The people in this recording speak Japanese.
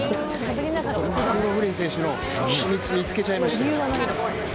マクローフリン選手の秘密、見つけちゃいましたよ。